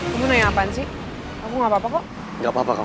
lo mau nanya apaan sih aku gak apa apa kok